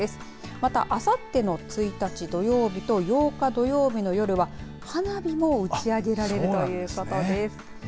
また、あさっての１日、土曜日と８日土曜日の夜は花火も打ち上げられるということです。